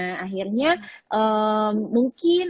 nah akhirnya mungkin